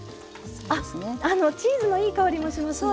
あっチーズのいい香りもしますねえ。